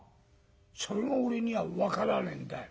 「それが俺には分からねえんだよ。